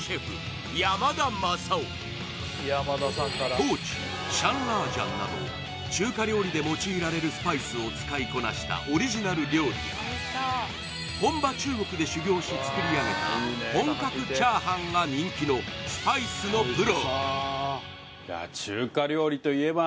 トーチー、シャンラージャンなど中華で用いられるスパイスを使用したオリジナル料理に、本場中国で修業し、作り上げた本格チャーハンが人気のスパイスのプロ。